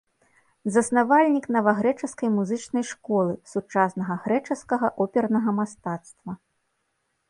Заснавальнік навагрэчаскай музычнай школы, сучаснага грэчаскага опернага мастацтва.